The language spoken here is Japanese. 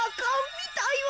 みたいわ。